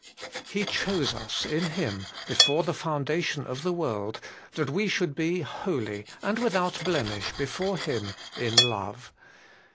He chose us in Him before the foundation of the world, that we should be holy and without blemish before Him in love?